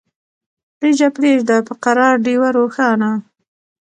لیږه پریږده په قرار ډېوه روښانه